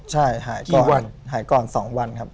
ใช่หายก่อน๒วันครับ